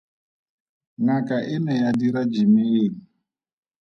Ngaka e ne ya dira Jimi eng?